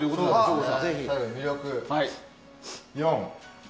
魅力４。